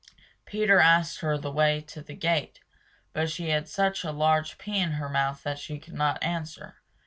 Peter asked her the way to the gate but she had such a large pea in her mouth she could not answer.